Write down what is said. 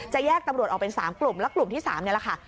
จะแยกตำรวจออกเป็นสามกลุ่มและกลุ่มที่สามเนี้ยแหละค่ะ